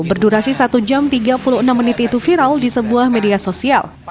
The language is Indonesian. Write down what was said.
berdurasi satu jam tiga puluh enam menit itu viral di sebuah media sosial